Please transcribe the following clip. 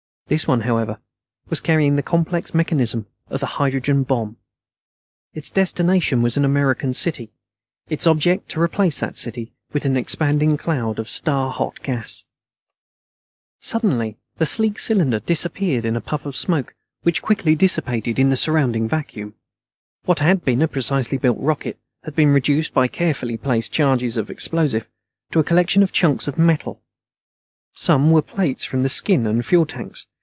This one, however, was carrying the complex mechanism of a hydrogen bomb. Its destination was an American city; its object to replace that city with an expanding cloud of star hot gas. Suddenly the sleek cylinder disappeared in a puff of smoke, which quickly dissipated in the surrounding vacuum. What had been a precisely built rocket had been reduced, by carefully placed charges of explosive, to a collection of chunks of metal. Some were plates from the skin and fuel tanks.